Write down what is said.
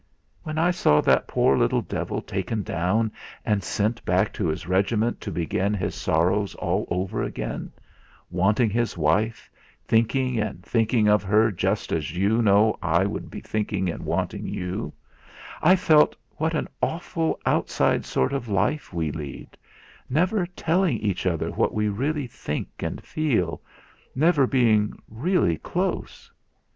When I saw that poor little devil taken down and sent back to his regiment to begin his sorrows all over again wanting his wife, thinking and thinking of her just as you know I would be thinking and wanting you, I felt what an awful outside sort of life we lead, never telling each other what we really think and feel, never being really close.